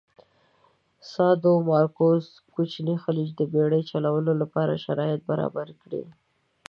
د سادومارکوس کوچینی خلیج د بېړی چلولو لپاره شرایط برابر کړي.